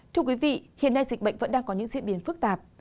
thưa quý vị hiện nay dịch bệnh vẫn đang có những diễn biến phức tạp